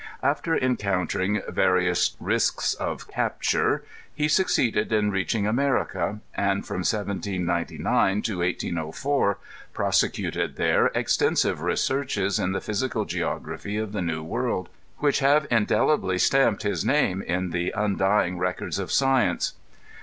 After encountering various risks of capture, he succeeded in reaching America, and from 1799 to 1804 prosecuted there extensive researches in the physical geography of the New World, which have in delibly stamped his name in the undying records of science.